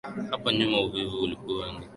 Hapo nyuma uvuvi ilikuwa ni kazi ya kudharaulika